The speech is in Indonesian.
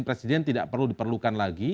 presiden tidak perlu diperlukan lagi